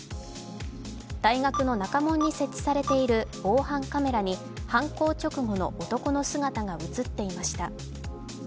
大学の中門に設置されている防犯カメラに犯行直後の男の姿が映っていました。